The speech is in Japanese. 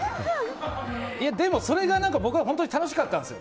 でも、それが僕は本当に楽しかったんですよ。